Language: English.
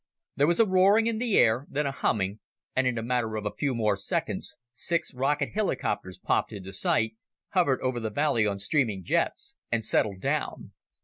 There was a roaring in the air, then a humming, and in a matter of a few more seconds, six rocket helicopters popped into sight, hovered over the valley on streaming jets, and settled down.